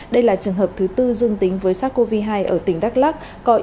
đây là trường hợp thứ tư dương tính với sars cov hai ở tỉnh đắk lắc